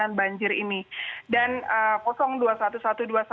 dan perlengkapan perjalanan banjir ini